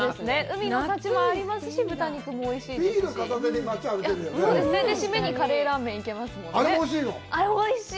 海の幸もありますし、豚肉もおいしいですし。